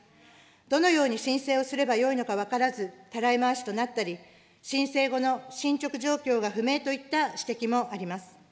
どのように申請をすればよいのか分からず、たらい回しとなったり、申請後の進捗状況が不明といった指摘もあります。